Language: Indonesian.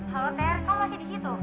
halo ter kamu masih di situ